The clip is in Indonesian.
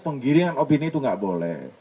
penggiringan opini itu nggak boleh